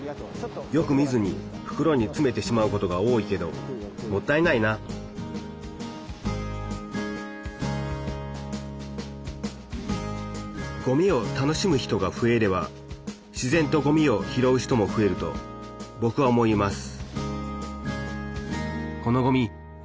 よく見ずにふくろにつめてしまうことが多いけどもったいないなごみを楽しむ人が増えれば自然とごみを拾う人も増えるとぼくは思います。